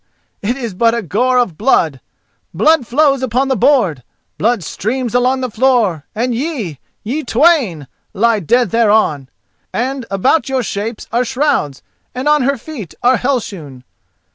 it is but a gore of blood! Blood flows upon the board—blood streams along the floor, and ye—ye twain!—lie dead thereon, and about your shapes are shrouds, and on her feet are Hell shoon!